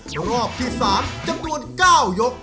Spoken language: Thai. รอบที่๓จำนวน๙ยก